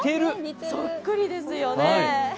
そっくりですよね。